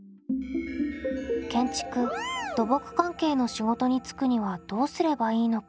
建築・土木関係の仕事に就くにはどうすればいいのか？